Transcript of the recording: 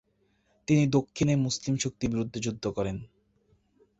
তিনি দক্ষিণের মুসলিম শক্তির বিরুদ্ধে যুদ্ধ করেন।